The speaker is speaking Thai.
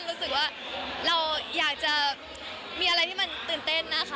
รู้สึกว่าเราอยากจะมีอะไรที่มันตื่นเต้นนะคะ